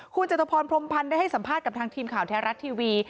คุณจตุพรพรมพันธ์ได้ให้สัมภาษณ์กับทางทีมข่าวแท้รัฐทีวี